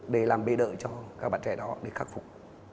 để làm bề đỡ cho các bạn trẻ đó để khắc phục